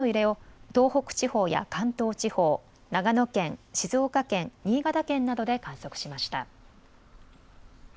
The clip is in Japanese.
また震度３から１の揺れを東北地方や関東地方、長野県、静岡県、新潟県などで観測しました。